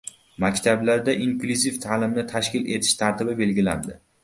Maktablarda inklyuziv ta’limni tashkil etish tartibi belgilandi